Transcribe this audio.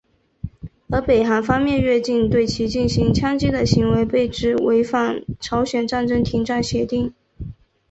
而北韩方面越境对其进行枪击的行为被指违反朝鲜战争停战协定。